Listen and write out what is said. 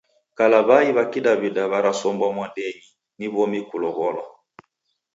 Kala w'ai w'a kidaw'ida w'arasombwa mwadenyi ni w'omi kulow'olwa.